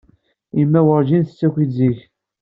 Yemma Wurǧin tettaki-d zik.